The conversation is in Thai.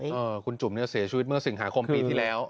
เออคุณจุ๋มเนี่ยเสียชีวิตเมื่อสิงหาคมปีที่แล้ว